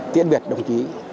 tiến biệt đồng chí